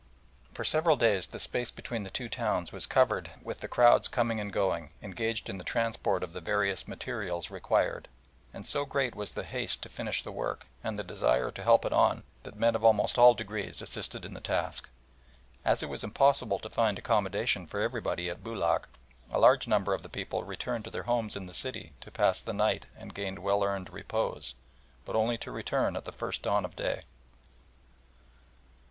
For several days the space between the two towns was covered with the crowds coming and going, engaged in the transport of the various materials required; and so great was the haste to finish the work and the desire to help it on, that men of almost all degrees assisted in the task. As it was impossible to find accommodation for everybody at Boulac, a large number of the people returned to their homes in the city to pass the night and gain well earned repose, but only to return at the first dawn of day.